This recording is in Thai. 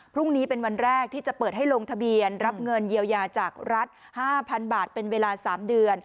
พรุ่งนี้เป็นวันแรกที่จะเปิดให้ลงทะเบียนรับเงินเยียวยาจากรัฐ๕๐๐๐บาทเป็นเวลา๓เดือน